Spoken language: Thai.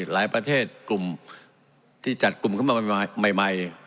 ประเทศกลุ่มที่จัดกลุ่มขึ้นมาใหม่